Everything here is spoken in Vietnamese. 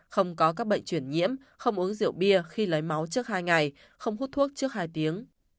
không có các bệnh chuyển nhiễm không uống rượu bia khi lấy máu trước hai ngày không hút thuốc trước hai tiếng